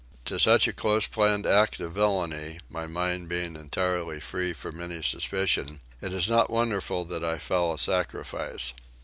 To such a close planned act of villainy, my mind being entirely free from any suspicion, it is not wonderful that I fell a sacrifice.